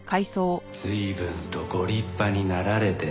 随分とご立派になられて。